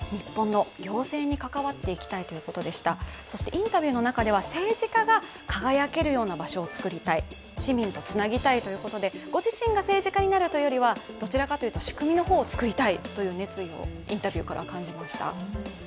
インタビューの中では政治家が輝ける場所を作りたい、市民とつなぎたいということでご自身が政治家になるというよりはどちらかというと、仕組みの方を作りたいという熱意をインタビューから感じました。